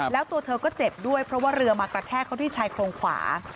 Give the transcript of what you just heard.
แล้วตัวเธอก็เจ็บด้วยเพราะว่าเรือมากระแทกเขาที่ชายโครงขวา